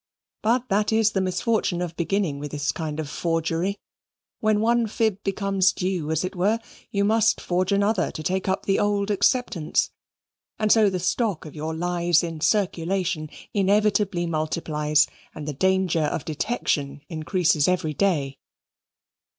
But that is the misfortune of beginning with this kind of forgery. When one fib becomes due as it were, you must forge another to take up the old acceptance; and so the stock of your lies in circulation inevitably multiplies, and the danger of detection increases every day.